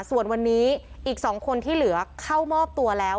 ส่วนวันนี้อีก๒คนที่เหลือเข้ามอบตัวแล้ว